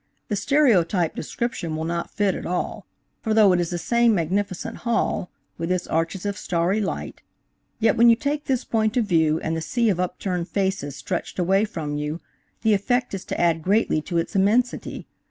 The stereotyped description will not fit at all for though it is the same magnificent hall, with its arches of starry light, yet when you take this point of view and the sea of upturned faces stretches away from you, the effect is to add greatly to its immensity.